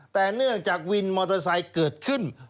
แต่เนื่องจากวินมอเตอร์ไซค์เกิดขึ้น